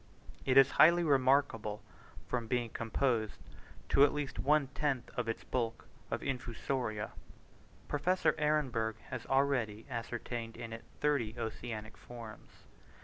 It is highly remarkable, from being composed, to at least one tenth of its bulk, of Infusoria. Professor Ehrenberg has already ascertained in it thirty oceanic forms.